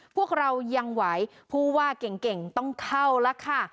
พวกเรายังไหวผู้ว่าเก่งต้องเข้าแล้วค่ะ